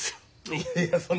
いやいやそんな。